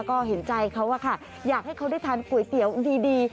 ก็เห็นใจเขาอะค่ะอยากให้เขาได้ทานก๋วยเตี๋ยวดี